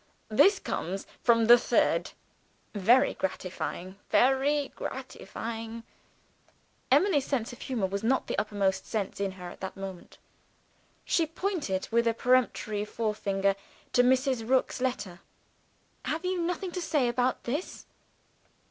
"This comes from the third. Very gratifying very gratifying." Emily's sense of humor was not the uppermost sense in her at that moment. She pointed with a peremptory forefinger to Mrs. Rook's letter. "Have you nothing to say about this?"